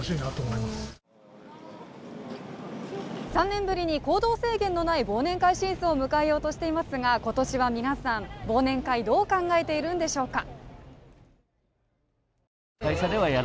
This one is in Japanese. ３年ぶりに行動制限のない忘年会シーズンを迎えようとしていますが今年は皆さん、忘年会どう考えているんでしょうか。